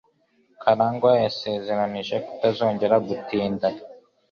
Karangwa yasezeranije kutazongera gutinda.